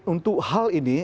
untuk hal ini